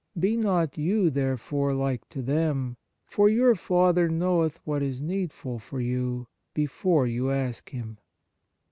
Be not you therefore like to them, for your Father knoweth what is needful for you, before you ask Him."